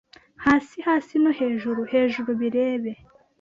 Hasi, Hasi no Hejuru, Hejuru birebe